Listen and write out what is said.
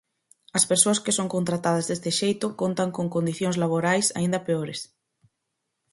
As persoas que son contratadas deste xeito contan con condicións laborais aínda peores.